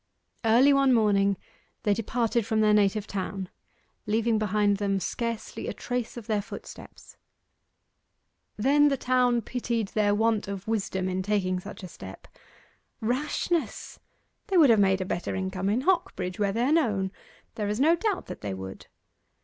Early one morning they departed from their native town, leaving behind them scarcely a trace of their footsteps. Then the town pitied their want of wisdom in taking such a step. 'Rashness; they would have made a better income in Hocbridge, where they are known! There is no doubt that they would.